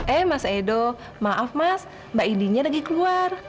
eh mas edo maaf mas mbak indinya lagi keluar